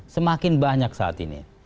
semakin banyak saat ini